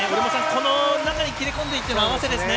この中に切れ込んでいく合わせですね。